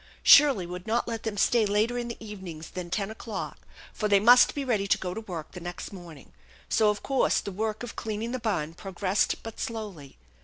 Shirley would not let them stay later in the evenings than THE ENCHANTED BARN 1C* ten o'clock, for they must be ready to go to work the next 1 morning ; so of course the work of cleaning the barn progressed but slowly.